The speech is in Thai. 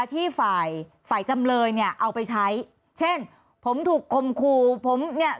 ที่ฝ่ายฝ่ายจำเลยเนี่ยเอาไปใช้เช่นผมถูกคมครูผมเนี่ย